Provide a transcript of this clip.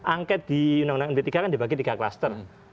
angket di undang undang md tiga kan dibagi tiga klaster